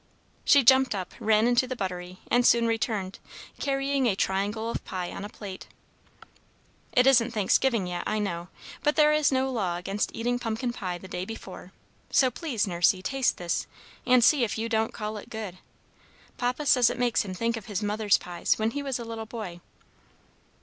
She jumped up, ran into the buttery, and soon returned, carrying a triangle of pie on a plate. "It isn't Thanksgiving yet, I know; but there is no law against eating pumpkin pie the day before, so please, Nursey, taste this and see if you don't call it good. Papa says it makes him think of his mother's pies, when he was a little boy."